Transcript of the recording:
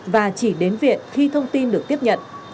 và chỉ đến viện khi thông tin được tiếp nhận